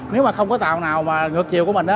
nếu mà không có tàu nào mà ngược chiều của mình